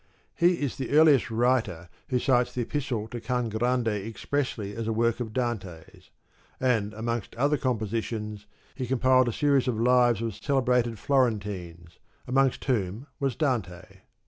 He is the earliest writer who cites the Epistle to Can Grande expressly as a work of Dante's ; and amongst other compositions he compiled a series of lives of celebrated Florentines, amongst whom was Dante.